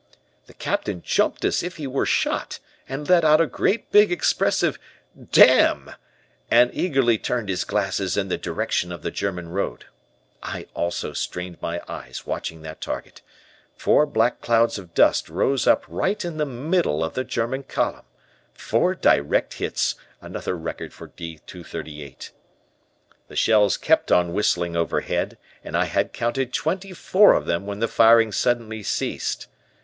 "The Captain jumped as if he were shot, and let out a great big expressive 'Damn,' and eagerly turned his glasses in the direction of the German road. I also strained my eyes watching that target. Four black clouds of dust rose up right in the middle of the German column. Four direct hits another record for D 238. "The shells kept on whistling overhead, and I had counted twenty four of them when the firing suddenly ceased.